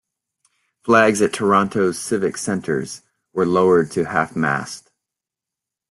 Flags at Toronto's civic centres were lowered to half mast.